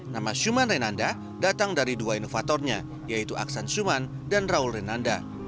nama suman renanda datang dari dua inovatornya yaitu aksan syuman dan raul renanda